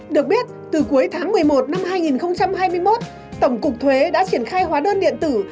được biết từ cuối tháng một mươi một năm hai nghìn hai mươi một tổng cục thuế đã triển khai hóa đơn điện tử